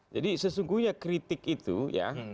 jadi sesungguhnya kritik itu ya